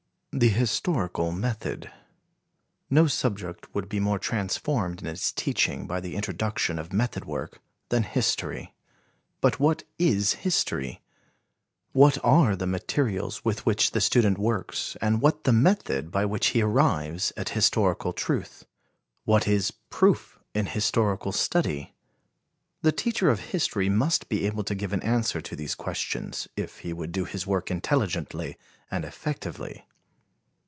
The Historical Method. No subject would be more transformed in its teaching by the introduction of method work than history. But what is history? What are the materials with which the student works and what the method by which he arrives at historical truth? What is proof in historical study? The teacher of history must be able to give an answer to these questions, if he would do his work intelligently and effectively.